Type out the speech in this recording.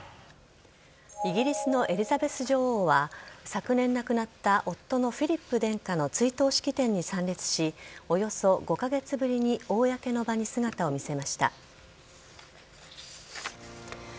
イギリスのエリザベス女王は、昨年亡くなった夫のフィリップ殿下の追悼式典に参列し、およそ５か月ぶりに公の場に姿を見